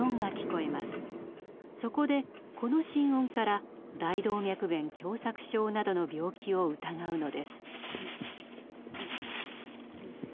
そこでこの心音から大動脈弁狭さく症などの病気を疑うのです。